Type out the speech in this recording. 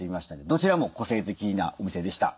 どちらも個性的なお店でした。